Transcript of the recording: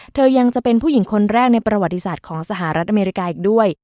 ยังจะเป็นผู้หญิงคนแรกในประวัติศาสตร์ของสหรัฐอเมริกาอีกด้วย